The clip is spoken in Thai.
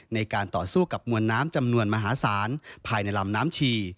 ในการต่อสู้กับมวลน้ำจำนวนมหาศาลภายในลำน้ำชี